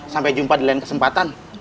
sampai jumpa di lain kesempatan